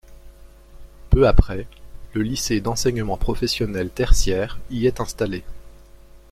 Peu après, le lycée d'enseignement professionnel tertiaire y est installé.